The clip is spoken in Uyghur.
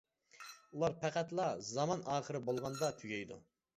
ئۇلار پەقەتلا زامان ئاخىرى بولغاندا تۈگەيدۇ.